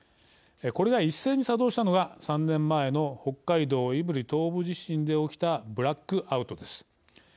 これが一斉に作動したのが３年前の北海道胆振東部地震で起きたブラックアウトです。